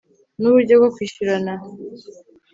n uburyo bwo kwishyurana